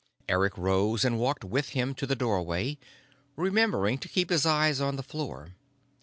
Eric rose and walked with him to the doorway, remembering to keep his eyes on the floor.